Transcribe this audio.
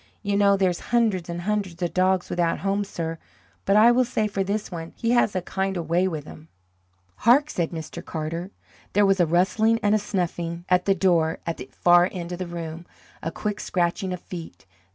You know there's hundreds and hundreds of dogs without homes, sir. But I will say for this one, he has a kind of a way with him." "Hark!" said Mr. Carter. There was a rustling and a snuffing at the door at the far end of the room, a quick scratching of feet.